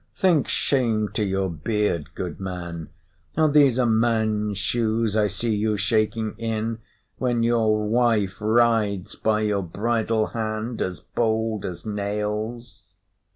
Think shame to your beard, goodman! Are these a man's shoes I see you shaking in, when your wife rides by your bridle hand, as bold as nails?"